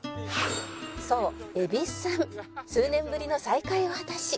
「そう蛭子さん」「数年ぶりの再会を果たし」